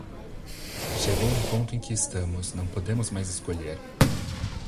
Chegou no ponto em que estamos, não podemos mais escolher.